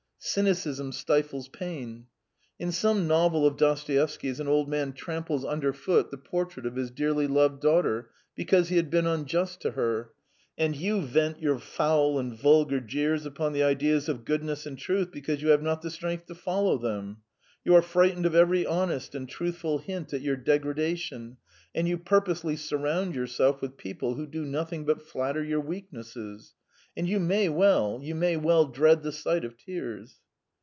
Cynicism stifles pain. In some novel of Dostoevsky's an old man tramples underfoot the portrait of his dearly loved daughter because he had been unjust to her, and you vent your foul and vulgar jeers upon the ideas of goodness and truth because you have not the strength to follow them. You are frightened of every honest and truthful hint at your degradation, and you purposely surround yourself with people who do nothing but flatter your weaknesses. And you may well, you may well dread the sight of tears!